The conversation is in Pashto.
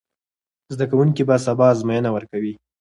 زده کوونکي به سبا ازموینه ورکوي.